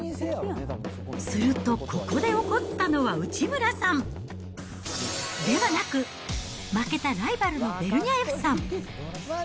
するとここで怒ったのは内村さん、ではなく、負けたライバルのベルニャエフさん。